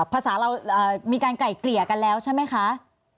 ภาษาเรามีการไกล่เกลี่ยกันแล้วใช่ไหมคะ